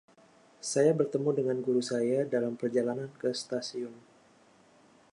Saya bertemu dengan guru saya dalam perjalanan ke stasiun.